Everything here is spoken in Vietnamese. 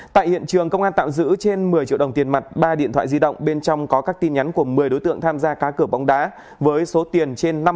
tại hiện trường công an tạm giữ trên một mươi triệu đồng tiền mặt ba điện thoại di động bên trong có các tin nhắn của một mươi đối tượng tham gia cá cửa bóng đá với số tiền trên năm trăm linh tỷ đồng